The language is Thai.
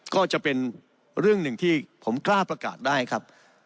ก็จะเป็นเรื่องหนึ่งที่ผมกล้าประกาศได้ครับ